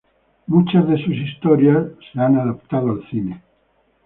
Muchas de sus historias de han adaptado al cine.